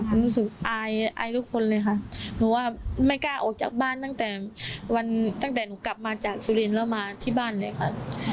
รู้สึกอายอายทุกคนเลยค่ะหนูว่าไม่กล้าออกจากบ้านตั้งแต่วันตั้งแต่หนูกลับมาจากสุรินทร์แล้วมาที่บ้านเลยค่ะ